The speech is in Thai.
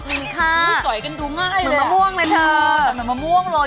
อุ้ยสวยกันตัวง่ายเลยอ่ะเหมือนมะม่วงเลยเธอ